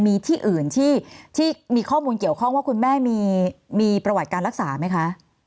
มีที่อื่นที่มีข้อมูลเกี่ยวข้องว่าคุณแม่มีประวัติการรักษาไหมคะ